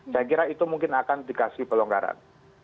saya kira itu mungkin akan dikasih pelonggaran